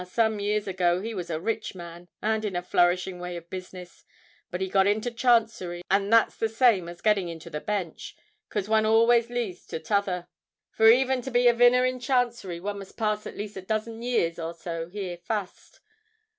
"Ah! some years ago he was a rich man, and in a flourishing way of business. But he got into Chancery, and that's the same as getting into the Bench; 'cos one always leads to t'other—for even to be a vinner in Chancery, one must pass at least a dozen years or so here fust.